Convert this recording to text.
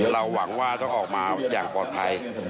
เราหวังว่าต้องออกมาอย่างปลอดภัย